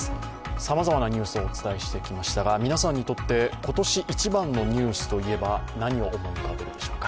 さまざまなニュースをお伝えしてきましたが、皆さんにとって今年１番のニュースといえば何を思い浮かべるでしょうか。